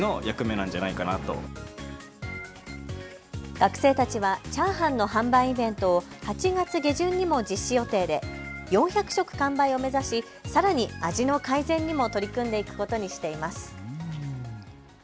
学生たちはチャーハンの販売イベントを８月下旬にも実施予定で４００食完売を目指しさらに味の改善にも取り組んでいくことにしています。